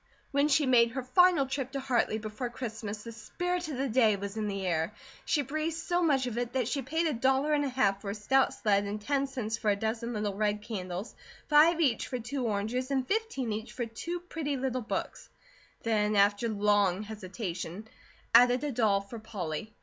When she made her final trip to Hartley before Christmas the spirit of the day was in the air. She breathed so much of it that she paid a dollar and a half for a stout sled and ten cents for a dozen little red candles, five each for two oranges, and fifteen each for two pretty little books, then after long hesitation added a doll for Polly.